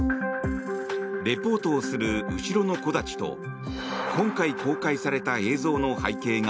リポートをする後ろの木立と今回公開された映像の背景が